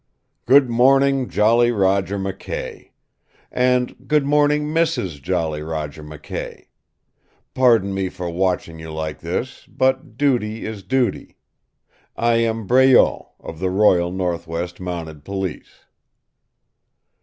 "Good morning, Jolly Roger McKay! And good morning, Mrs. Jolly Roger McKay! Pardon me for watching you like this, but duty is duty. I am Breault, of the Royal Northwest Mounted Police."